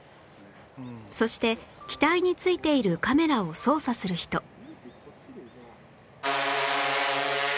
そして機体に付いているカメラを操作する人